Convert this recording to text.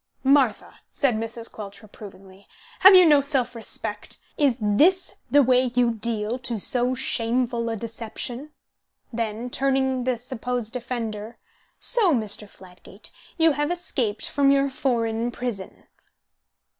"Martha," said Mrs. Quelch, reprovingly, "have you no self respect? Is this the way you deal to so shameful a deception?" Then, turning the supposed offender, "So, Mr. Fladgate, you have escaped from your foreign prison."